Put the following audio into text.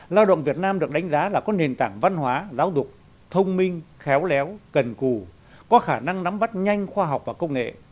lao động việt nam được đánh giá là có nền tảng văn hóa giáo dục thông minh khéo léo cần cù có khả năng nắm bắt nhanh khoa học và công nghệ